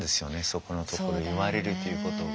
そこのところ言われるということが。